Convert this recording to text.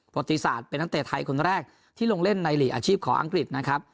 ติศาสตร์เป็นนักเตะไทยคนแรกที่ลงเล่นในหลีกอาชีพของอังกฤษนะครับ